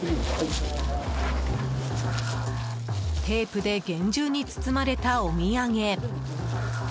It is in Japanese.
テープで厳重に包まれたお土産。